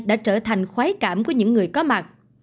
đã trở thành khoái cảm của những người có mặt